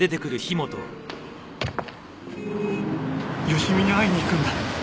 佳美に会いに行くんだ。